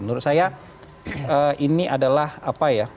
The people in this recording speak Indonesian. menurut saya ini adalah apa ya